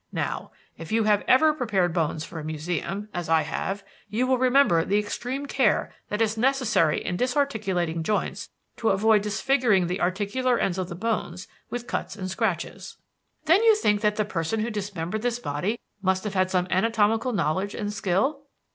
Now, if you have ever prepared bones for a museum, as I have, you will remember the extreme care that is necessary in disarticulating joints to avoid disfiguring the articular ends of the bones with cuts and scratches." "Then you think that the person who dismembered this body must have had some anatomical knowledge and skill?"